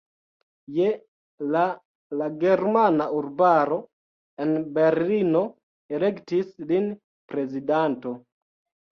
Je la la Germana Urbaro en Berlino elektis lin prezidanto.